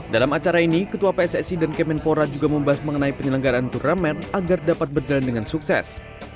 dalam acara ini ketua pssi dan kemenpora juga membahas mengenai penyelenggaraan turnamen agar dapat berjalan dengan sukses